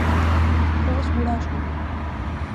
خو اوس بوډا شوم.